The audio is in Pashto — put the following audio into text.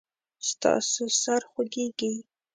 ستاسو سر خوږیږي؟